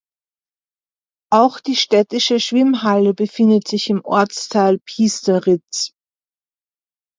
Auch die städtische Schwimmhalle befindet sich im Ortsteil Piesteritz.